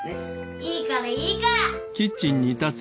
いいからいいから。